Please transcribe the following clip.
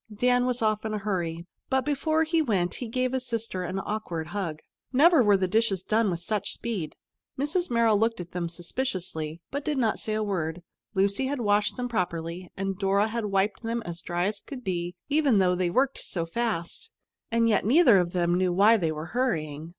Dan was off in a hurry, but before he went he gave his sister an awkward hug. Never were dishes done with such speed! Mrs. Merrill looked at them suspiciously but did not say a word. Lucy had washed them properly and Dora had wiped them as dry as could be, even though they worked so fast. And yet neither of them knew why they were hurrying.